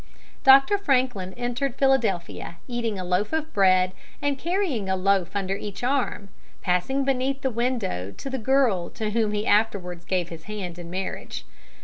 Dr. Franklin entered Philadelphia eating a loaf of bread and carrying a loaf under each arm, passing beneath the window of the girl to whom he afterwards gave his hand in marriage.